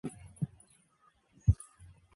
He soon discovers what has really happened.